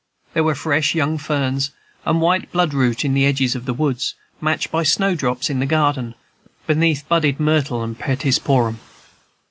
There were fresh young ferns and white bloodroot in the edges of woods, matched by snowdrops in the garden, beneath budded myrtle and Petisporum.